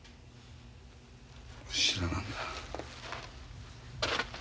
知らなんだ。